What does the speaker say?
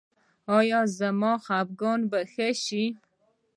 ایا زما خپګان به ښه شي؟